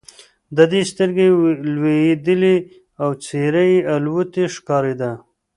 د ده سترګې لوېدلې او څېره یې الوتې ښکارېده.